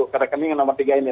ke rekening yang nomor tiga ini